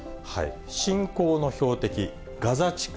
侵攻の標的、ガザ地区。